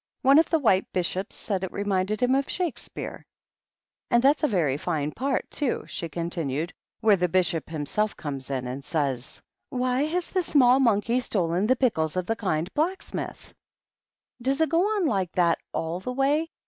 " One of the White Bishops said it re minded him of Shakespeare. And that's a very THE RED QUEEN AND THE DUCHESS. 153 fine part, too," she continued, " where the bishop himself comes in, and says, —' Why has the small monkey stolen the pickles of the kind blacksmith T "" Does it go on like that all the way